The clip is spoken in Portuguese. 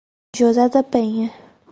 José da Penha